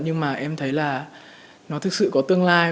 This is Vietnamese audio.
nhưng mà em thấy là nó thực sự có tương lai